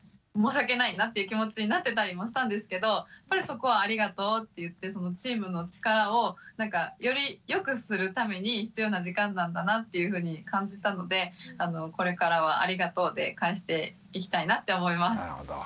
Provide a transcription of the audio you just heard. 申し訳ないなっていう気持ちになってたりもしたんですけどやっぱりそこはありがとうって言ってチームの力をより良くするために必要な時間なんだなっていうふうに感じたのでこれからは「ありがとう」で返していきたいなって思います。